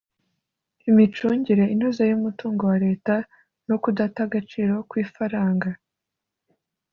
imicungire inoze y’umutungo wa Leta no kudata agaciro kw’ifaranga